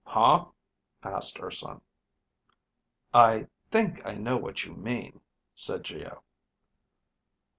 "Huh?" asked Urson. "I think I know what you mean," said Geo.